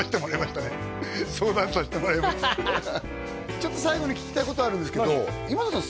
ちょっと最後に聞きたいことあるんですけど今田さん